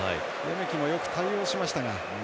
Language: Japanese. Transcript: レメキもよく対応しましたが。